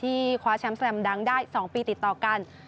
คว้าแชมป์แลมดังได้๒ปีติดต่อกัน